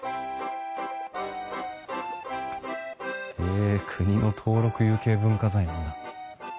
へえ国の登録有形文化財なんだ。